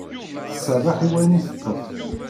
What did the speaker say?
Tserreḥ i wayen i teṭṭef.